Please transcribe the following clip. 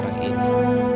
lama lagi tidak